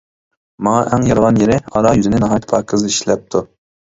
ماڭا ئەڭ يارىغان يېرى ئارايۈزىنى ناھايىتى پاكىز ئىشلەپتۇ.